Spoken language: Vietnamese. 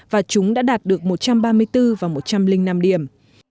và chúng đã đạt được một trăm ba mươi bốn và một trăm linh năm điểm